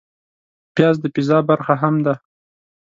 پیاز د پیزا برخه هم ده